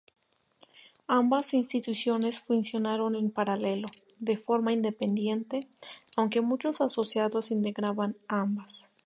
Ambas instituciones funcionaron en paralelo, de forma independiente, aunque muchos asociados integraban ambas.